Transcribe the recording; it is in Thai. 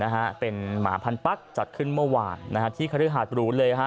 หมาพันธุ์ปั๊กจัดขึ้นเมื่อวานนะฮะที่คฤหาส์หรูเลยฮะ